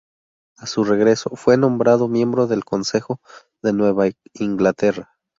A su regreso, fue nombrado miembro del Consejo de Nueva Inglaterra.